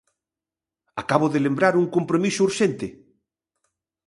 Acabo de lembrar un compromiso urxente.